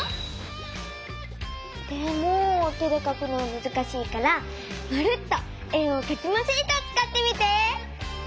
でも手でかくのはむずしいから「まるっと円をかきまシート」をつかってみて！